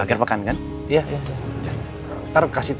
eh masak dulu sih